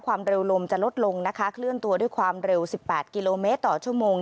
ความเร็วลมจะลดลงนะคะเคลื่อนตัวด้วยความเร็ว๑๘กิโลเมตรต่อชั่วโมง